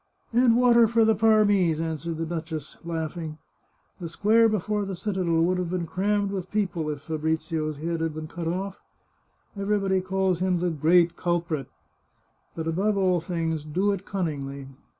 " And water for the Parmese," answered the duchess, laughing. " The square before the citadel would have been crammed with people if Fabrizio's head had been cut off. ... Everybody calls him the great culprit. ... But above all things, do it cunningly